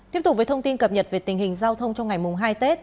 tiếp tục với thông tin cập nhật về tình hình giao thông trong ngày mùng hai tết